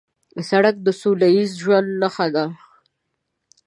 سړک د سولهییز ژوند نښه ده.